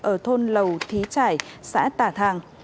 ở thôn lầu thí trải xã tà thàng